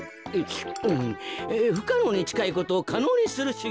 ふかのうにちかいことをかのうにするしゅぎょうじゃ。